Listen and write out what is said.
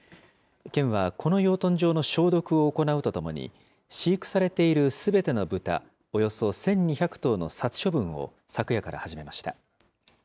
県はこの養豚場の消毒を行うとともに、飼育されているすべてのブタおよそ１２００頭の殺処分を昨夜から始めました。